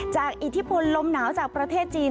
อิทธิพลลมหนาวจากประเทศจีน